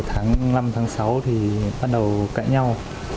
tháng năm tháng sáu thì bắt đầu cãi nhau